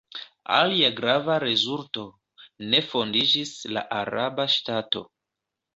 Alia grava rezulto: ne fondiĝis la araba ŝtato.